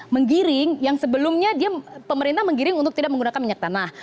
menggiring yang sebelumnya dia pemerintah menggiring untuk tidak menggunakan minyak tanah